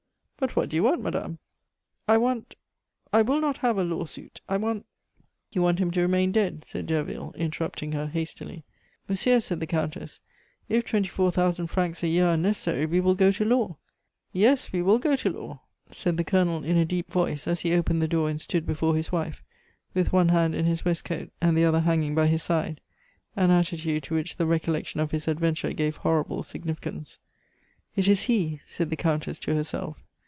"But what do you want, madame?" "I want I will not have a lawsuit. I want " "You want him to remain dead?" said Derville, interrupting her hastily. "Monsieur," said the Countess, "if twenty four thousand francs a year are necessary, we will go to law " "Yes, we will go to law," said the Colonel in a deep voice, as he opened the door and stood before his wife, with one hand in his waistcoat and the other hanging by his side an attitude to which the recollection of his adventure gave horrible significance. "It is he," said the Countess to herself.